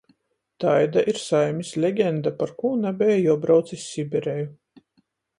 Taida ir saimis legenda, parkū nabeja juobrauc iz Sibireju.